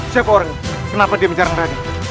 raden siapa orangnya kenapa dia bicara dengan raden